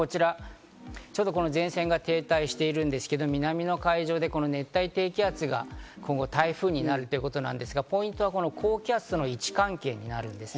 ちょうど前線が停滞しているんですが、南の海上で熱帯低気圧が今後、台風になるということなんですが、ポイントは高気圧との位置関係になります。